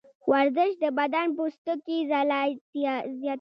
ورزش د بدن د پوستکي ځلا زیاتوي.